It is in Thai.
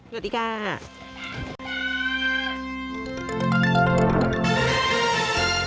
สวัสดีค่ะ